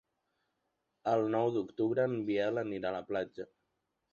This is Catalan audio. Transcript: El nou d'octubre en Biel anirà a la platja.